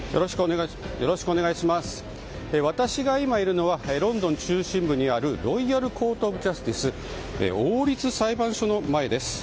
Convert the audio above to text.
私が今いるのはロンドン中心部にあるロイヤルコートオブジャスティス王立裁判所の前です。